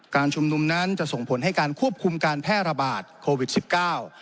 การชุมนุมนั้นจะส่งผลให้การควบคุมการแพร่ระบาดโควิดสิบเก้า